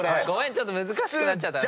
ちょっと難しくなっちゃったね。